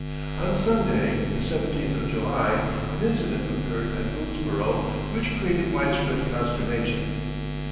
On Sunday, the seventeenth of July, an incident occurred at Boonesborough which created wide spread consternation.